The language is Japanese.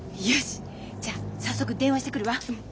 じゃあ早速電話してくるわ。